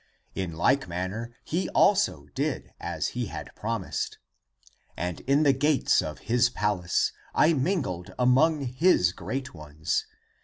In like manner he also did as he had promised. And in the gates of his palace I mingled among his great ones.